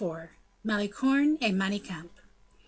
Malicorne and Manicamp.